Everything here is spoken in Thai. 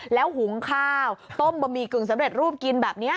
แล้วหุงข้าวต้มบะหมี่กึ่งสำเร็จรูปกินแบบนี้